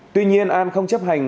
tuy nhiên an không chấp hành